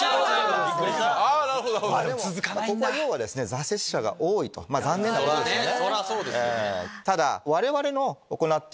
挫折者が多い残念なことですよね。